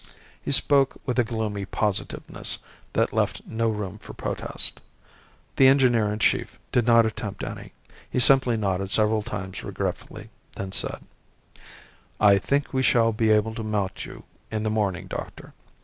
He spoke with a gloomy positiveness that left no room for protest. The engineer in chief did not attempt any. He simply nodded several times regretfully, then said "I think we shall be able to mount you in the morning, doctor.